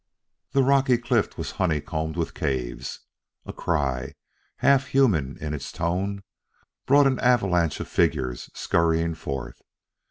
The rocky cliff was honeycombed with caves. A cry, half human in its tone, brought an avalanche of figures scurrying forth.